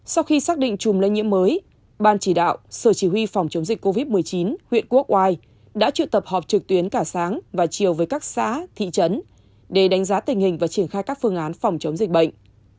sau khi xác định chùm lây nhiễm mới ban chỉ đạo sở chỉ huy phòng chống dịch covid một mươi chín huyện quốc oai đã trự tập họp trực tuyến cả sáng và chiều với các xã thị trấn để đánh giá tình hình và triển khai các phương án phòng chống dịch bệnh